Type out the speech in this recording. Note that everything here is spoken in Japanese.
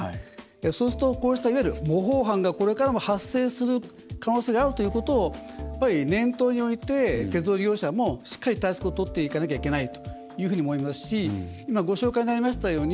そうすると、こういう模倣犯がこれからも発生する可能性があるということを念頭において、鉄道利用者もしっかり対策をとっていかないといけないと思いますしご紹介にありましたように